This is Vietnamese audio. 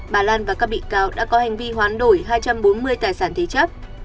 bà lan và các bị cáo đã có hành vi hoán đổi hai trăm bốn mươi tài sản thế chấp